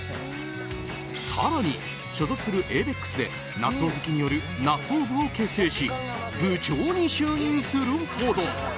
更に、所属するエイベックスで納豆好きによる納豆部を結成し部長に就任するほど。